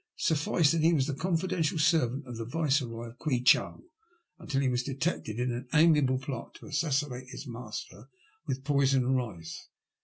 Suffice that he was the confidential servant of the Viceroy of Eweichow until he was detected in an amiable plot to assassinate his master with poisoned rice.